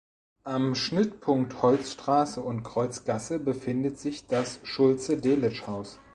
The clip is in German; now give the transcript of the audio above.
Am Schnittpunkt Holzstraße und Kreuzgasse befindet sich das Schulze-Delitzsch-Haus.